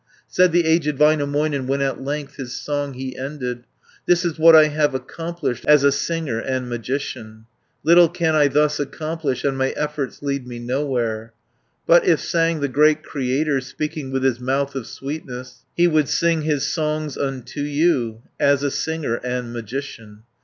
Said the aged Väinämöinen, When at length his song he ended, "This is what I have accomplished As a singer and magician, Little can I thus accomplish, And my efforts lead me nowhere: But, If sang the great Creator, Speaking with his mouth of sweetness, 390 He would sing his songs unto you, As a singer and magician.